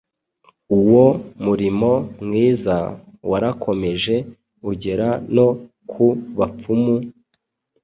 Uwo murimo mwiza warakomeje ugera no ku bapfumu;